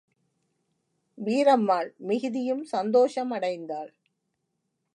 வீரம்மாள் மிகுதியும் சந்தோஷமடைந்தாள்.